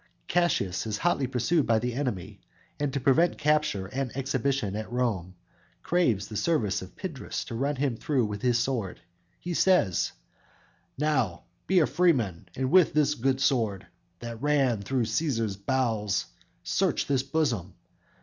Cassius is hotly pursued by the enemy, and to prevent capture and exhibition at Rome, craves the service of Pindrus to run him through with his sword. He says: _"Now be a freeman, and with this good sword That ran through Cæsar's bowels, search this bosom.